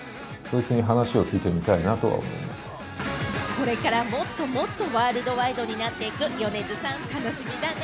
これからもっともっとワールドワイドになっていく米津さん、楽しみだね。